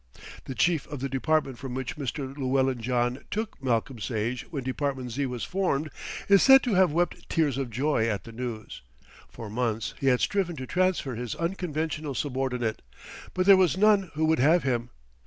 The chief of the department from which Mr. Llewellyn John took Malcolm Sage when Department Z. was formed is said to have wept tears of joy at the news. For months he had striven to transfer his unconventional subordinate; but there was none who would have him.